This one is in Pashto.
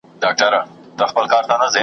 لکه ماشوم پر ورکه لاره ځمه .